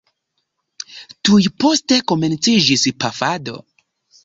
Tuj poste komenciĝis pafado.